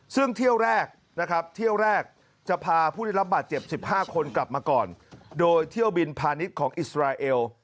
ซึ่งเที่ยวแรกนะครับเที่ยวแรกจะพาผู้ได้รับบาดเจ็บ๑๕คนกลับมาก่อนโดยเที่ยวบินพาณิชย์ของอิสราเอล